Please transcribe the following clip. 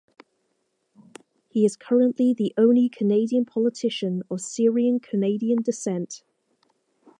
He is currently the only Canadian politician of Syrian Canadian descent.